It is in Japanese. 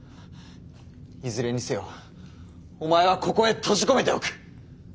いずれにせよお前はここへ閉じ込めておく！